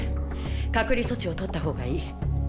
隔離措置をとった方がいい。